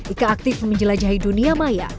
ika aktif menjelajahi dunia maya